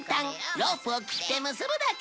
ロープを切って結ぶだけ！